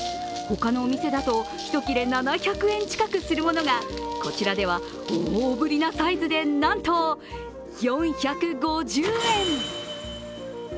他のお店だと１切れ７００円近くするものがこちらでは大ぶりなサイズでなんと４５０円。